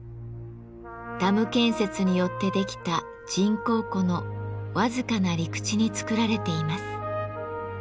ダム建設によってできた人工湖の僅かな陸地に造られています。